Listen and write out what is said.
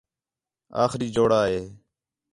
آخری جوڑا ہِے